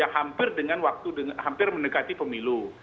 hampir dengan waktu hampir mendekati pemilu